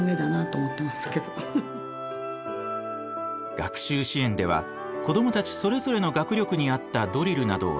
学習支援では子どもたちそれぞれの学力に合ったドリルなどを選んでいます。